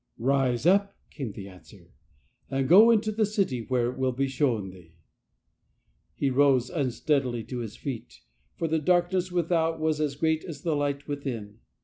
" Rise up," came the answer, " and go into the city; there it shall be shown thee." He rose unsteadily to his feet, for the dark ness without was as great as the light within.